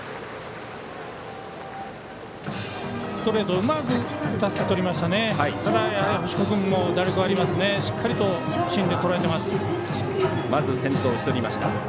ストレートをうまく打たせてとりましたね。